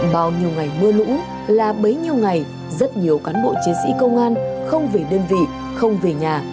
bao nhiêu ngày mưa lũ là bấy nhiêu ngày rất nhiều cán bộ chiến sĩ công an không về đơn vị không về nhà